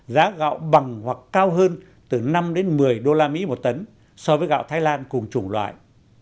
giá gạo bằng hoặc cao hơn từ năm đến một mươi usd một tấn so với gạo thái lan cùng chủng loại